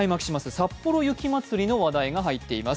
さっぽろ雪まつりの話題が入っています。